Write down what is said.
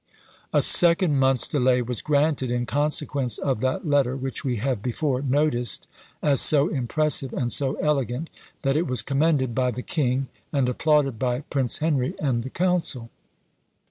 A second month's delay was granted, in consequence of that letter which we have before noticed as so impressive and so elegant, that it was commended by the king, and applauded by Prince Henry and the council.